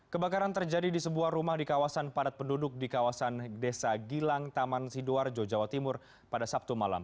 kebakaran terjadi di sebuah rumah di kawasan padat penduduk di kawasan desa gilang taman sidoarjo jawa timur pada sabtu malam